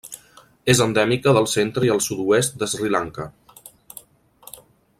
És endèmica del centre i el sud-oest de Sri Lanka.